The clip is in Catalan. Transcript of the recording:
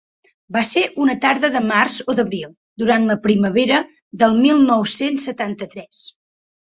Va ser una tarda de març o d’abril, durant la primavera del mil nou-cents setanta-tres.